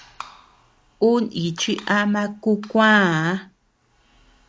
Ú níchi ama kú kuäa.